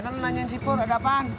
nenek nanya si pur ada apaan